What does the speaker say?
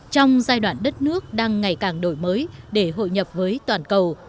trong giai đoạn đất nước đang ngày càng đổi mới để hội nhập với toàn cầu